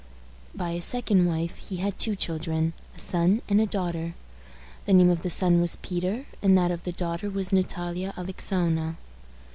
By his second wife he had two children a son and a daughter. The name of the son was Peter, and that of the daughter was Natalia Alexowna.